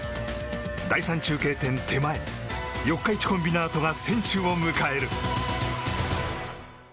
第３中継点手前四日市コンビナートが選手を迎える。